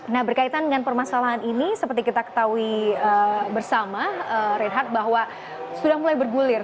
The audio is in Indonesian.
nah berkaitan dengan permasalahan ini seperti kita ketahui bersama reinhardt bahwa sudah mulai bergulir